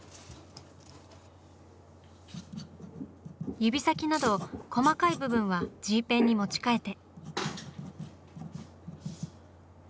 指先など細かい部分はＧペンに持ち替えて。